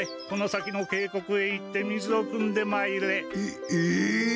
この先のけいこくへ行って水をくんでまいれ。